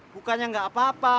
bukannya gak apa apa